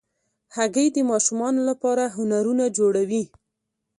هګۍ د ماشومانو لپاره هنرونه جوړوي.